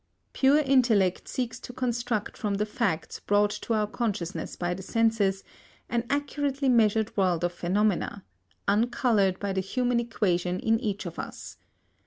Pure intellect seeks to construct from the facts brought to our consciousness by the senses, an accurately measured world of phenomena, uncoloured by the human equation in each of us.